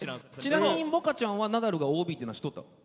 ちなみにもかちゃんはナダルがＯＢというのは知っとった？